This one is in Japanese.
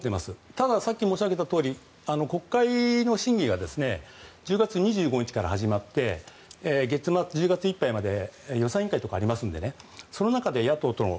ただ、さっき申し上げたとおり国会の審議が１０月２５日から始まって１０月いっぱいまで予算委員会とかありますのでその中で野党との